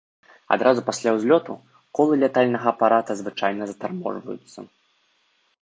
Адразу пасля ўзлёту колы лятальнага апарата звычайна затарможваюцца.